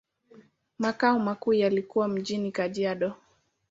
Makao makuu yalikuwa mjini Kajiado.